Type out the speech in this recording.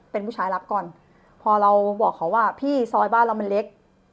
เป็นผู้ชายรับก่อนพอเราบอกเขาว่าพี่ซอยบ้านเรามันเล็ก